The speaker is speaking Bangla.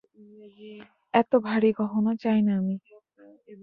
এত ভারী গহণা চাই না আমি।